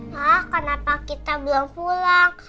hah kenapa kita belum pulang